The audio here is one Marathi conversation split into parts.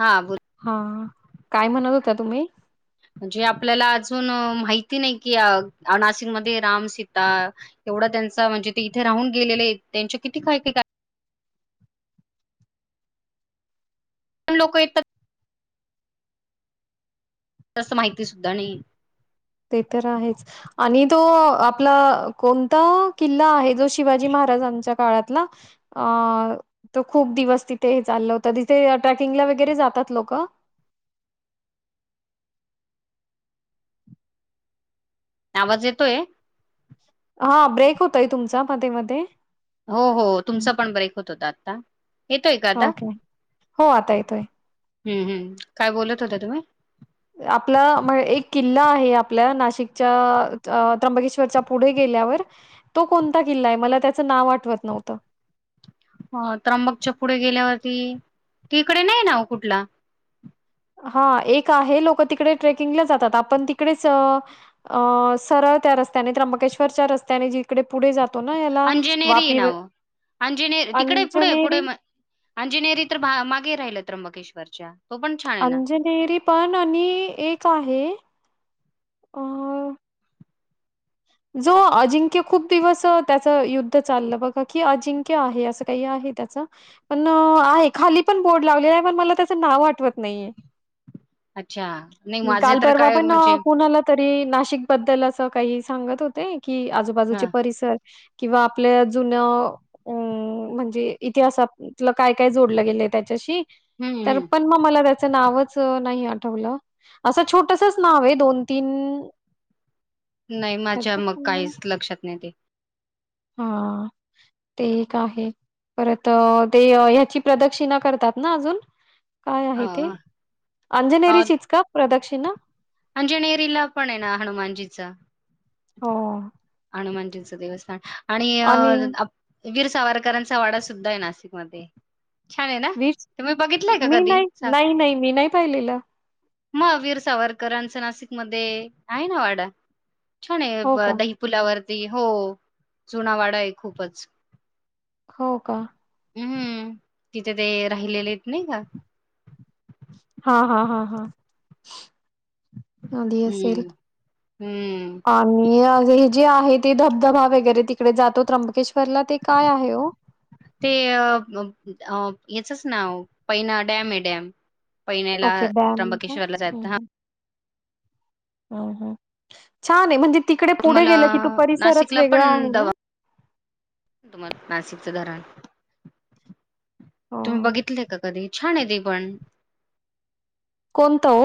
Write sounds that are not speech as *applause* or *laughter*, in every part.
हा बोल हां काय म्हणत होता तुम्ही? म्हणजे आपल्याला अजून माहिती नाही की अ *unintelligible* राम सीता एवढा त्यांचा म्हणजे ते इथे राहून गेलेलेत त्यांचे किती काय की काय आम लोकं येतात. त्यासनी माहिती सुद्धा नाही. ते तर आहेच आणि तो आपला कोणता किल्ला आहे जो शिवाजी महाराजांच्या काळातला अ तो खूप दिवस तिथे चालला होता जिथे ट्रॅकिंगला वगैरे जातात लोकं? आवाज येतोय? हां ब्रेक होतंय तुमचा मधे मधे. हो हो तुमचा पण ब्रेक होत होता आता येतोय का आता? ओके हो आता येतोय हम्म हम्म काय बोलत होता तुम्ही? आपला म एक किल्ला आहे आपल्या नाशिकच्या अ त्र्यंबकेश्वरच्या पुढे गेल्यावर तो कोणता किल्ला आहे? मला त्याचं नाव आठवत नव्हतं. अ त्र्यंबकच्या पुढे गेल्यावरती तिकडे नाही ना ओ कुठला? हा एक आहे लोकं तिकडे ट्रेकिंगला जातात आपण तिकडेच अ सरळ त्या रस्त्याने त्र्यंबकेश्वरच्या रस्त्याने जिकडे पुढे जा अंजनेरी नाव अंजने तिकडे पुढे पुढे अंजनेरी म अंजनेरी तर म मागे राहिलं. त्र्यंबकेश्वरच्या. तो पण छान आहे ना अंजनेरी पण आणि एक आहे. अ जो अजिंक्य खूप दिवस त्याचं युद्ध चाललं बघा की, अजिंक्य आहे असं काही आहे त्याचं पण आहे खाली पण बोर्ड लावलेला आहे पण मला त्याचं नाव आठवत नाहीये. अच्छा नाही मी माझे काल तर परवा काय पण म्हणजे कुणाला तरी नाशिक बद्दल अ स काही सांगत होते. कि आजूबाजूचे हां, परिसर किंवा आपल्या जुन्या अ म्हणजे इतिहासातलं काय काय जोडलं गेलंय त्याच्याशी. हं, तर हं. पण म मला त्या च नावच नाही आठवलं असं छोटसच नाव आहे दोन तीन नाही माझ्या मग काहीच लक्षात नाही ते. हां ते एक आहे परत ते ह्याची प्रदक्षिणा करतात ना अजून? काय अ, आहे ते? अ, अंजनेरीचीच का प्रदक्षि णा. अंजनेरीला पण आहे ना हनुमानजीचा. हो. हनुमानजींनच देस्थान आणि अ आप वीर सावरकरांचा वाडा सुद्धा आहे. नाशिकमध्ये छान आहे ना? वीर तुम्ही बघितलंय का मी कधी? नाही सा नाही नाही मी नाही पाहिलेलं. मग वीर सावरकरांचं नाशिक मध्ये आहे ना वाडा. छान ये हो ब का? दय च्यावरती हो जुना वाडा आहे खूपच हो का हूं तिथे ते राहिलेलेयेत नाही का? हा हा हा हा आधी असेल हं, हं. आणि हे जे आहेत. ते धबधबा वगैरे तिकडे जातो त्र्यंबकेश्वरला ते काय आहे ओ ते अ *unintelligible* याचच नाव पैना डॅम ये डॅम पैण्याला ओके डॅम ये का त्र्यंबकेश्वरला हं जात हा हं हं हं छान ये म्हणजे तिकडे पुढे तुम्हाला गेलं की तो परिसरच नाशिकला पण वेगळा आहे ना दवा तुम्हाला नाशिकच धरण हां. तुम्ही हां. बघितलय का कधी? छान ये ते पण कोणत ओ?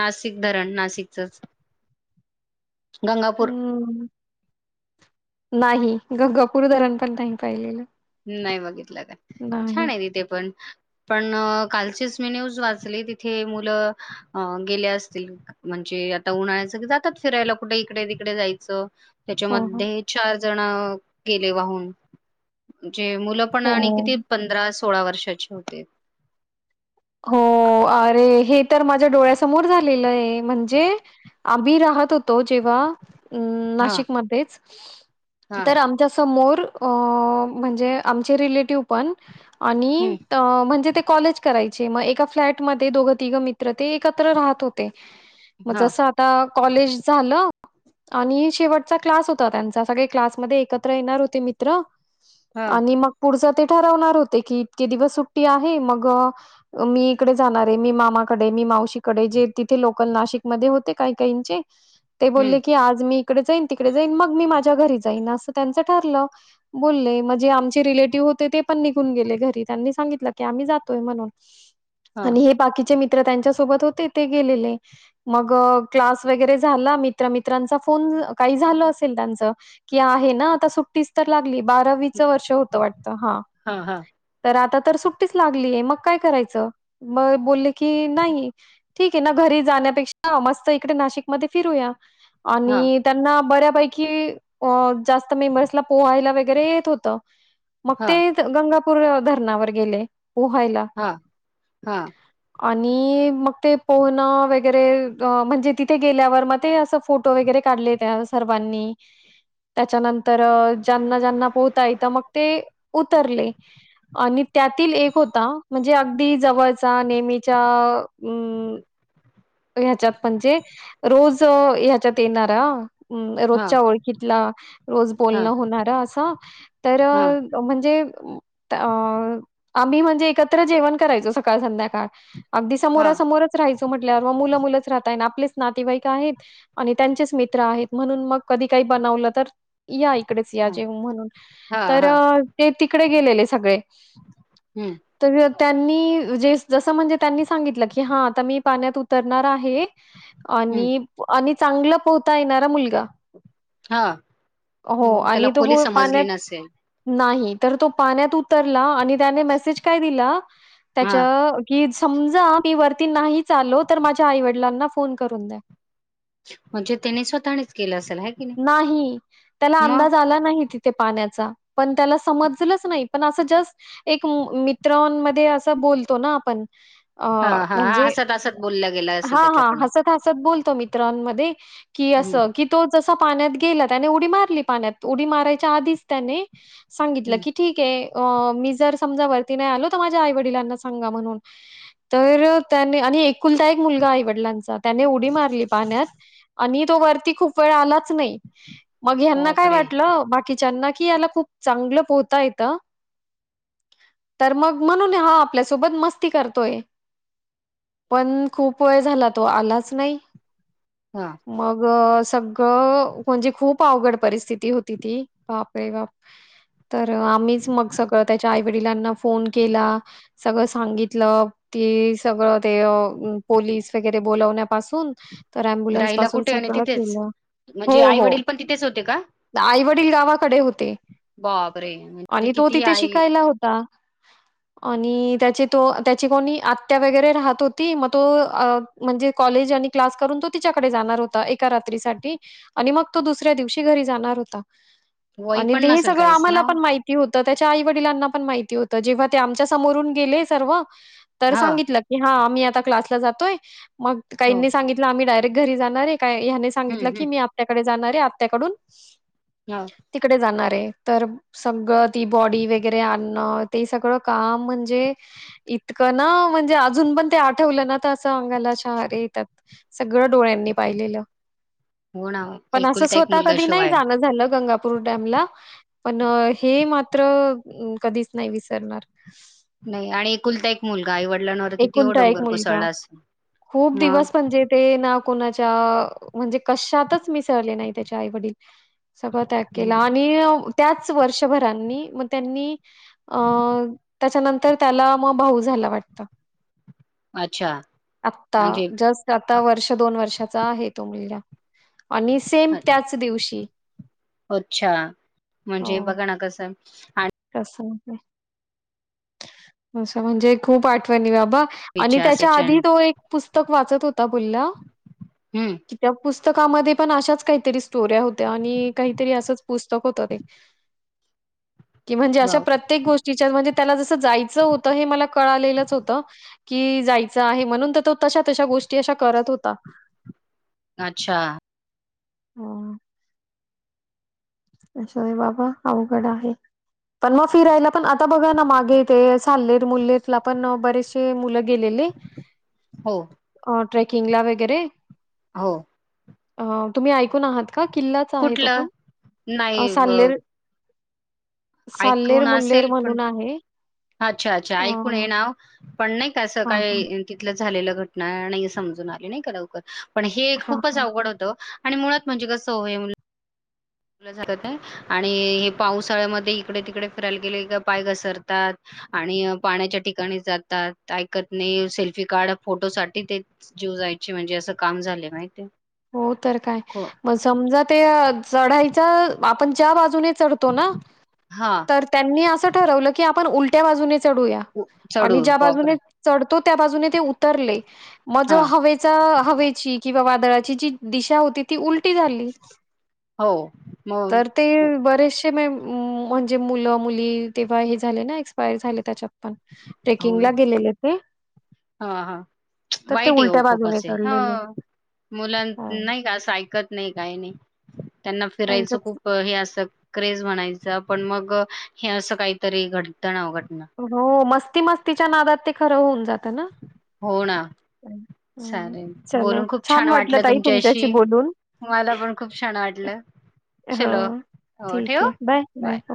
नाशिक धरण नाशिकचच गंगापूर हं. नाही गंगापूर धरण पण नाही पाहिलेलं. नाही बघित ल काय नाही. छान ये तिथे पण पण कालचीच मी न्यूज वाचली तिथे मुलं अ गेले असतील म्हणजे आता उन्हाळायचं की जातात फिरायला कुठे इकडे तिकडे जायचं हो, हो. त्याच्यामध्ये चार जण गेले वाहून. चे मुलं पण आणि हो. किती पंधरा सोळा वर्षाची होते. हो अरे हे तर माझ्या डोळ्यासमोर झालेलंय म्हणजे आभी राहत होतो. जेव्हा अ् हा नाशिकमध्येच हा तर आमच्या समोर हो म्हणजे आमचे रिलेटिव पण आणि हम्म अ म्हणजे ते कॉलेज कराय ते मग एका फ्लॅट मध्ये दोघं, तिघ मित्र ते एकत्र राहत होते. मग हा जसं आता कॉलेज झालं, आणि शेवटचा क्लास होता त्यांचा सगळे क्लासमध्ये एकत्र येणार होते मित्र हा आणि मग पुढच ते ठरवणार होते की इतके दिवस सुट्टी आहे, मग मी इकडे जाणार आहे, मी मामाकडे, मी मावशीकडे जे तिथे लोक नाशिकमध्ये होते काही-काहींचे ते हम्म बोलले की आज मी इकडे जाईन, तिकडे जाईन मग मी माझे घरी जाईन अस त्यांच ठरलं बोलले, म्हणजे आमचे रिलेटिव्ह होते ते पण निघून गेले घरी त्यांनी सांगितलं की आम्ही जातोय म्हणून हा आणि हे बाकीचे मित्र त्यांच्या सोबत होते ते गेलेले, मग क्लास वगैरे झाला, मित्रामित्रांचा फोन काही झाल असेल त्यानच की आहे ना आता सुट्टीच तर बारावीच वर्ष होत वाढत, हां हा हा तर आता तर सुट्टीच लागली आहे. काय करायचं? मग बोलले की नाही ठीक आहे ना, घरी जाण्यापेक्षा मस्त इकडे नाशिकमध्ये फिरूया. हा आणि त्यांना बऱ्या पैकी जास्त मेंबर्सला पोहायला वगैरे येत होत. मग हा ते गंगा धरणावर गेले. हां हां. आणि मग ते पोहणं वगैरे अ म्हणजे तिथे गेल्यावर मग ते असं फोटो वगैरे काढले त्या सर्वांनी त्याच्यानं तर हा ज्यांना ज्यांना पोहता येतं मग ते उतरले आणि त्यातील एक होता. म्हणजे अगदी जवळचा नेहमीच्या अम्म ह्याच्यात म्हणजे रोज ह्याच्यात येणारा. अम्म हा रोजच्या ओळखीतला रोज हा बोलणं होणारा असा तर म्हणजे अ आम्ही म्हणजे एक त्र जेवण करायचो सकाळ संध्याकाळ. अगदी हा समोरासमोरच राहायचं म्हटल्यावर मग मुलं मुलंच राहताय ना आपलेच नातेवाईक आहेत आणि त्यांचेच मित्र आहेत म्हणून मग कधी काही बनवलं तर या इकडेच या जेऊ म्हणून हा तर हा ते तिकडे गेलेले सगळे हम्म. तर त्यांनी जे जसं म्हणजे त्यांनी सांगितलं की हां आता मी पाण्यात उतरणार आहे. हम्म आणि आणि चांगलं पोहता येणारा मुलगा हा हो मग त्याला आणि खोली तो पाण्यात समजली नसेल नाही तर तो पाण्यात उतरला आणि त्याने मेसेज काय दिला हा त्याच्याच की समजा मी वरती नाही चालो तर माझ्या आईवडिलांना फोन करून द्या म्हणजे त्याने स्वतःनेच केलं असेल ह की त्याला नाही मग अंदाज आला नाही तिथे पाण्याचा पण त्याला समजल नाही पण अस जस्ट एक न मध्ये असं बोलतो ना आपण अ हा हा हा म्हणजे हसत हसत बोलला गेला असेल हा हा त्याच्याकडनं हसत हसत बोलतो मी मित्रांमध्ये कि हम्म असं की तोच अस पाण्यात गेला त्याने उडी मारली पाण्यात उडी मारायच्या आधीच त्याने सांगितलं हम्म की ठीक आहे अ मी जर समजा आलो तर माझ्या आई वडिलांना सांगा म्हणून तर त्या आणि एकुलदायक मुलगा आई वडिलांचा त्याने उडी मारली पाण्यात आणि तो वरती खूप वेळ आलाच नाही मग हना काय बापरे वाटलं बाकीच्याना याला खूप चांगलं पोहता येत तर मग म्हणून हा आपल्यासोबत मस्ती करतोय पण खूप वेळ झाला तो आलाच नाही हा मग सग हो म्हणजे खूप आवघड परिस्थिती होती ती, बाप रे बाप. तर आम्हीच मग सगळं त्याच्या आई वडिलांना फो फोन केला, सगळं सांगितलं, ती सगळं ते पोलीस वगैरे बोलावण्यापासून तर ॲम्बुलन्स राहिला पासून कुठे आणि सगळं तिथेच केलं. म्हणजे हो आई हो वडील पण तिथेच होते आईवडी डील गावाकडे होते. बाप रे म्हणजे आणि तो किती तिथे आई शिकायला होता. आणि त्याचे तो त्याची कोणी आत्या वगैरे राहत होती, मग तो म्हणजे कॉलेज आणि क्लास करून तो तिच्याकडे जाणार होता, एका रात्री साठी आणि मग तो दुसऱ्या दिवशी घरी जाणार होता. वय आणि पण हे नसेल सगळं काहीच ना आम्हाला हो पण माहिती होतं त्याच्या आई वडिलांना पण माहिती तर जेव्हा ते आमच्या समोरून गेले सर्व तर हा सांगितलं की हा आमही आ क्लासला जातोय मग कायी हो नी सांगितल आम्ही घरी जाणार आहे, काय ह्याने हम्म सांगितलं की हम्म मी आपल्याकडे जाणारे आत्याकडून हो तिकडे जाणार- तर सगळ ती बॉडी वगैरे आणणं ते सगळं काम म्हणजे इतकं ना, म्हणजे अजून पण ते आठवलं ना तर अस आंगला शहारे येतात. सगळं डोळ्यांनी पाहिलेलं. हो ना पण असं एकुलता एक स्वतः मुलगा कधी नाही शिवाय जाणं झालं गंगा पुर डॅमला, पण हे मात्र कधीच नाही विसरणार. नाही आणि एकुलता एक मुलगा आईवडिलांवर किती वो एकुलता एक डोंगर मुलगा कोसळला असेल. मग कुन्हाच्या म्हणजे कशातच मिस नाही त्याचे आई वडील सगळ त्याग हं, केला. आणि त्याच वर्षभरांनी म त्यांनी अ त्याच्यानंतर त्याला म भाऊ झाला वाटतं. अच्छा आता म्हणजे जस्ट आता अ, वर्ष दोन वर्षात आता आहे तो मुलगा. आणि सेम अ, त्याच दिवशी अच्छा, म्हणजे बघा ना कसं *inaudible* अस *unintelligible* असं म्हणजे खूप आठवणी बा आणि विचार त्याच्या आधी सेचन तो एक- पुस्तक वाचत होता, बोला. हम्म कित्या पुस *unintelligible* पुस्तकामध्ये पण अशाच काहीतरी स्टोऱ्या होत्या आणि काहीतरी असंच पुस्तक होतं ते. कि म्हणजे वा अशा प्रत्येक गोष्टीच्या म्हणजे. त्याला जस- जायचं होतं हे मला कळालेलंच होतं. कि जायचं आहे म्हणून तर तो तशा तशा गोष्टी अशा करत होता. अच्छा ह असंय बाबा अवघड आहे, पण मग फिरायला पण आता बघा ना मागे ते साल्लेर मुल्लेर ला पण बरेचसे मुलं गेलेले हो अ ट्रेकिंग ला वगैरे हो. अ तुम्ही ऐकून आहात. का किल्लाच आहे तो कुठलं पण नाही गं? साल्लेर मुल्लेर पण म्हणून आहे अच्छा अच्छा! अ, ऐकून ये नाव पण नाही का, असं हां, हां. काय तिथलं झालेल घटना नाही समजून आली नाही का लवकर? पण हे हां, खूपच हां. अवघड होतं. आणि मुळात म्हणजे कसंय मुलं? *unintelligible* आणि हे पावसाळ्यामध्ये इकडे तिकडे फिरायला गेले. का पाय घसरतात, आणि पाण्याच्या ठिकाणी जातात. ऐकत नाही सेल्फी काढ फोटो साठी ते जीव जायची म्हणजे असं काम झाले माहितीयं. हो तर, काय मग समजा ते चढायं चं आपण च्या बाजूने चढतो ना, हा तर त्यांनी असं ठरवलं की आपण उलट्या बाजूने चढूया चढू आणि ज्या बापरे बाजूने चढ तो त्या बाजूने ते उ उतरले म हा जो हवेचा हवेशी किंवा वादळा तीची दिशा होती ती उलटी उलटी झाली, हो मग तर ते बरेचसे ते म्हणजे मुलं-मुली तेव्हा हे झाले ना, एक्सपायर झाले त्याच्यात पण. हो ना ट्रेकिंगला गेलेले ते हा हा तर, ते वाईट उलट्या बाजूने चढलेले. मुला हो, नाही का असं ऐकत नाही. नाही काही नाही. त्यांना फिरायचं त्यांच्याच खूप हे असं क्रेज म्हणायचं? पण मग हे असं काहीतरी, घडतं ना अवघड. हो मस्त मस्तीच्या नादात ते खंर होऊन जातं. ना. हो ना, हं, हं. चालेल चलो बोलून खूप छान वाटलं. ताई तुमच्याशी बोलून. मला पण खूप छान वाटलं. चलो हो ठीक ठेवू आहे बाय. हो.